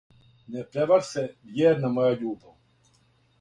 "Не превар' се вјерна моја љубо!"